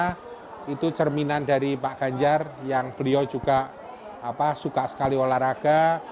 karena itu cerminan dari pak ganjar yang beliau juga suka sekali olahraga